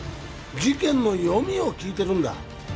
事件の読みを聞いてるんだ。